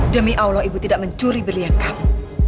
demi allah ibu tidak mencuri beriak kamu